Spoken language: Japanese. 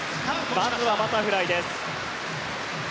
まずはバタフライです。